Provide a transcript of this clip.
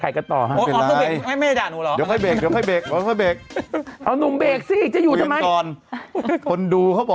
เกรงข้อสอบเกรงข้อสอบเกรงข้อสอบเกรงข้อสอบ